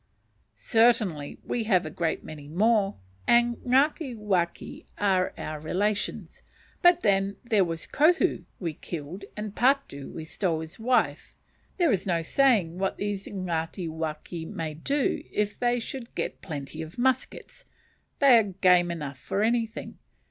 Certainly we have a great many more, and the Ngatiwaki are our relations; but then there was Kohu, we killed, and Patu, we stole his wife. There is no saying what these Ngatiwaki may do if they should get plenty of muskets; they are game enough for anything.